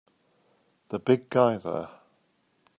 The big guy there!